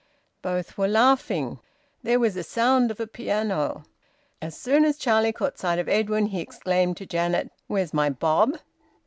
Both were laughing. There was a sound of a piano. As soon as Charlie caught sight of Edwin he exclaimed to Janet "Where's my bob?"